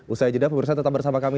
usaha jeda pemerintah tetap bersama kami